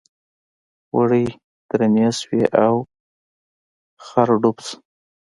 وړۍ درندې شوې او خر ډوب شو.